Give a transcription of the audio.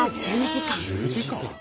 １０時間？